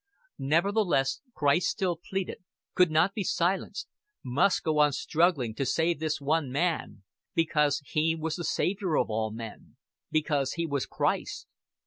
Nevertheless, Christ still pleaded, could not be silenced, must go on struggling to save this one man because He was the Savior of all men, because He was Christ.